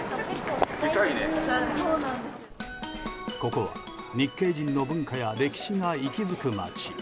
ここは、日系人の文化や歴史が息づく街。